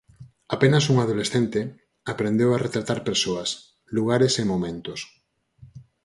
Apenas un adolescente, aprendeu a retratar persoas, lugares e momentos.